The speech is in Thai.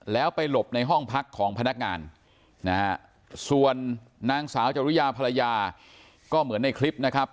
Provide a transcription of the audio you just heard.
แล้วไปหลบในห้องพักของพนักงานนะฮะส่วนนางสาวจริยาภรรยาก็เหมือนในคลิปนะครับ